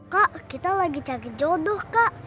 kak kita lagi cari jodoh kak